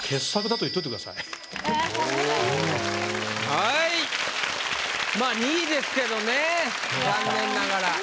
はいまぁ２位ですけどね残念ながら。